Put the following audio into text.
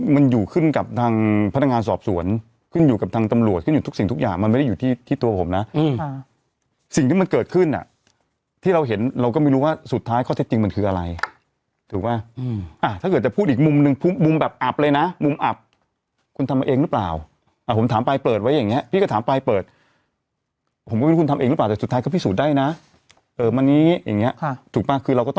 มันอยู่ขึ้นกับทางพนักงานสอบสวนขึ้นอยู่กับทางตำรวจขึ้นอยู่ทุกสิ่งทุกอย่างมันไม่ได้อยู่ที่ตัวผมนะสิ่งที่มันเกิดขึ้นอ่ะที่เราเห็นเราก็ไม่รู้ว่าสุดท้ายข้อเท็จจริงมันคืออะไรถูกป่ะอ่ะถ้าเกิดจะพูดอีกมุมนึงมุมแบบอับเลยนะมุมอับคุณทำเองรึเปล่าอ่ะผมถามปลายเปิดไว้อย่างเงี้ยพี่ก็